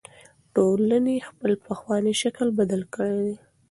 ټولنې خپل پخوانی شکل بدل کړی دی.